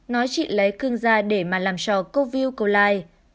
nói chị lấy cưng ra để mà làm cho cô viu câu like